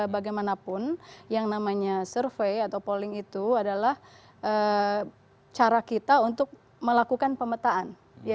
bagaimanapun yang namanya survei atau polling itu adalah cara kita untuk melakukan pemetaan